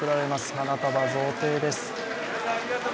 花束贈呈です。